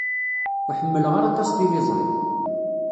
Ur ḥemmleɣ ara aṭas tiliẓri.